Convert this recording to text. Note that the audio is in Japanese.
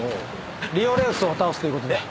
リオレウスを倒すということで。